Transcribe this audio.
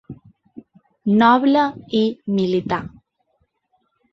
Noble i militar.